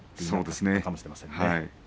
そうですね。